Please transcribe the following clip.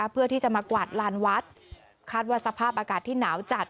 เพื่อที่จะมากวาดลานวัดคาดว่าสภาพอากาศที่หนาวจัด